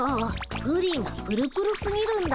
プリンプルプルすぎるんだ。